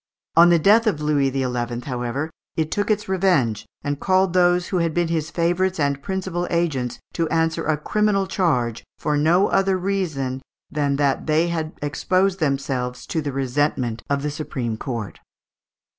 On the death of Louis XI., however, it took its revenge, and called those who had been his favourites and principal agents to answer a criminal charge, for no other reason than that they had exposed themselves to the resentment of the supreme court.